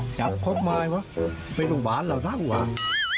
จัดคล็อตมายวะไปโรงพยาบาลเหล่านั่งหวาน